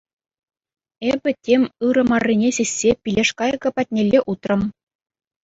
Эпӗ тем ырӑ маррине сиссе пилеш кайӑкӗ патнелле утрӑм.